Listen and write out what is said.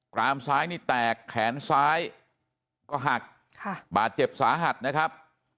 รามซ้ายนี่แตกแขนซ้ายก็หักบาดเจ็บสาหัสนะครับ